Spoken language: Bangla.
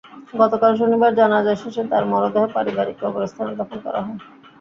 গতকাল শনিবার জানাজা শেষে তাঁর মরদেহ পারিবারিক কবরস্থানে দাফন করা হয়।